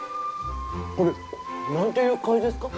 これ何ていう貝ですか？